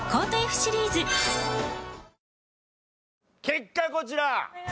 結果こちら。